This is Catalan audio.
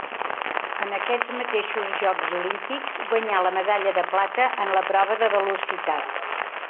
En aquests mateixos Jocs Olímpics guanyà la medalla de plata en la prova de velocitat.